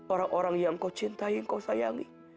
orang orang yang kau cintai kau sayangi